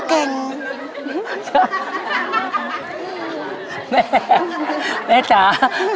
แม่แม่จ๋า